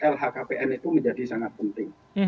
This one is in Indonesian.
lhkpn itu menjadi sangat penting